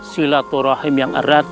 silaturahim yang erat